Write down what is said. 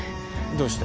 どうして？